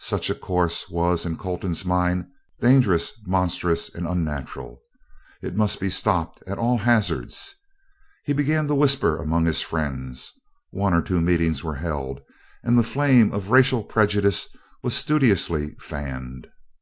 Such a course was, in Colton's mind, dangerous, monstrous, and unnatural; it must be stopped at all hazards. He began to whisper among his friends. One or two meetings were held, and the flame of racial prejudice was studiously fanned.